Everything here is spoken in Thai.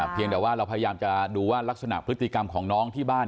เพียงแต่ว่าเราพยายามจะดูว่ารักษณะพฤติกรรมของน้องที่บ้าน